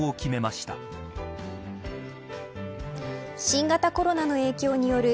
新型コロナの影響による